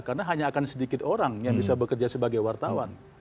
karena hanya akan sedikit orang yang bisa bekerja sebagai wartawan